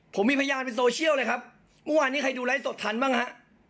ผมมีพยานเป็นโซเชียลเลยครับเมื่อวานนี้ใครดูไลฟ์สดทันบ้างฮะ